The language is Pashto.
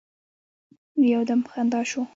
يو دم په خندا سو.